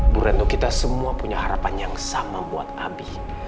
bu retno kita semua punya harapan yang sama buat abi